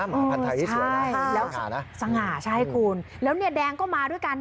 หมอพันธ์ไทยที่สวยนะสง่านะสง่าใช่คุณแล้วเนี่ยแดงก็มาด้วยกัน